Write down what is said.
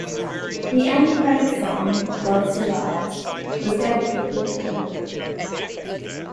The end credits song "Love Survives" was dedicated in her memory.